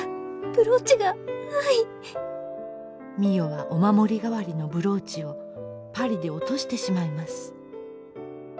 美世はお守り代わりのブローチをパリで落としてしまいます。